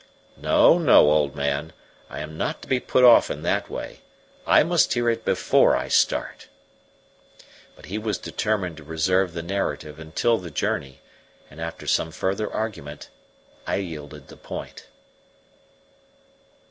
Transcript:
"No, no, old man, I am not to be put off in that way. I must hear it before I start." But he was determined to reserve the narrative until the journey, and after some further argument I yielded the point.